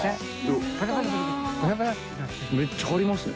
めっちゃありますね。